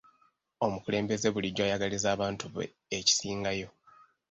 Omukulembeze bulijjo ayagaliza abantu be ekisingayo.